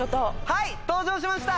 はい登場しました。